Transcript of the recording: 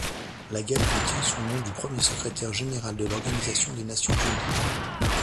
La galerie tient son nom du premier secrétaire général de l'organisation des Nations Unies.